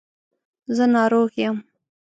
زه ناروغ یم